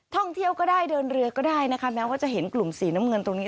ท่องเที่ยวก็ได้เดินเรือก็ได้นะคะแม้ว่าจะเห็นกลุ่มสีน้ำเงินตรงนี้